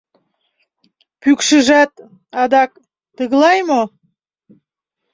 Пӱкшыжат, адак, тыглай мо!